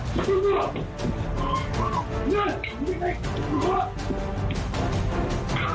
เจ้าพวกมันอยู่ที่สุดท้าย